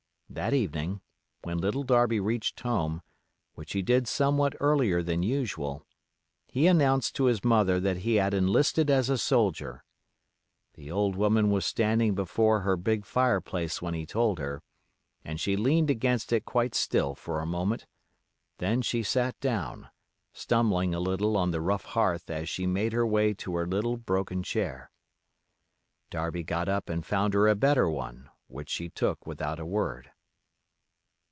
That evening, when Little Darby reached home, which he did somewhat earlier than usual, he announced to his mother that he had enlisted as a soldier. The old woman was standing before her big fireplace when he told her, and she leaned against it quite still for a moment; then she sat down, stumbling a little on the rough hearth as she made her way to her little broken chair. Darby got up and found her a better one, which she took without a word.